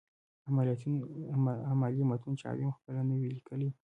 امالي متون چي عالم خپله نه وي ليکلي.